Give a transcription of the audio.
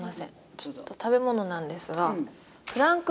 ちょっと食べ物なんですが。